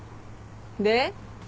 で？